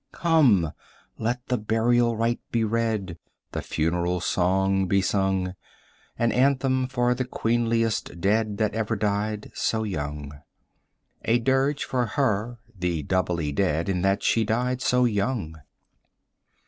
Come, let the burial rite be read the funeral song be sung, 5 An anthem for the queenliest dead that ever died so young, A dirge for her the doubly dead in that she died so young.